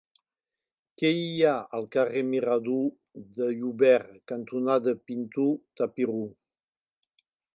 Què hi ha al carrer Mirador de Llobera cantonada Pintor Tapiró?